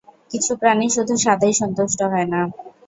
কিছু প্রাণী শুধু স্বাদেই সন্তুষ্ট হয় না।